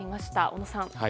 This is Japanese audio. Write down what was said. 小野さん。